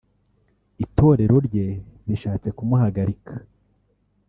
Itorero rye rishatse kumuhagarika